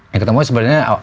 yang ketemu sebenarnya